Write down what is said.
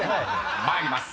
［参ります。